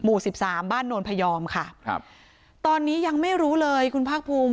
สิบสามบ้านโนนพยอมค่ะครับตอนนี้ยังไม่รู้เลยคุณภาคภูมิ